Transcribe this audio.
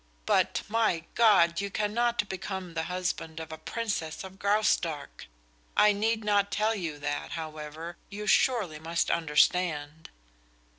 But, my God, you cannot become the husband of a Princess of Graustark! I need not tell you that, however. You surely must understand."